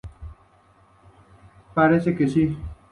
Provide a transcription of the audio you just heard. Parece que sí".